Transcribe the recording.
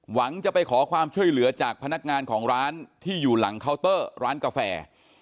หวังจะไปขอความช่วยเหลือจากพนักงานของร้านที่อยู่หลังเคาน์เตอร์ร้านกาแฟ